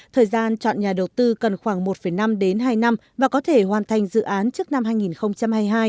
thời gian chọn nhà đầu tư cần khoảng một năm đến hai năm và có thể hoàn thành dự án trước năm hai nghìn hai mươi hai